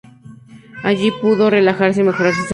Allí pudo relajarse y mejorar su salud.